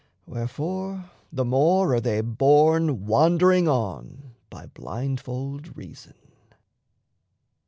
Wherefore the more are they borne wandering on By blindfold reason.